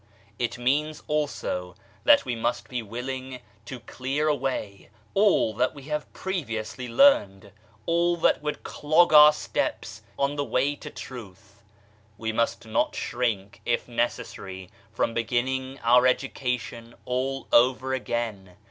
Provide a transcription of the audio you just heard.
It means, also, that we must be willing to clear away all that we have previously learned, all that would clog our steps on the Way to Truth ; we must not shrink if necessary from beginning our education all over again.